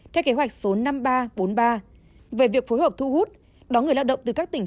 theo kế hoạch số năm nghìn ba trăm bốn mươi ba về việc phối hợp thu hút đón người lao động từ các tỉnh